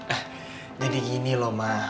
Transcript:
ah jadi gini loh mah